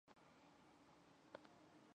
弗朗赛人口变化图示